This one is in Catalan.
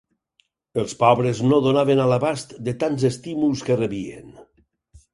Els pobres no donaven a l'abast de tants estímuls que rebien.